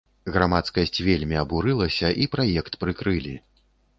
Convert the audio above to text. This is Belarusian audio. Грамадскасць вельмі абурылася, і праект прыкрылі.